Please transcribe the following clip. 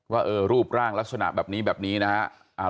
ว่ารูปร่างลักษณะแบบนี้แบบนี้นะฮะ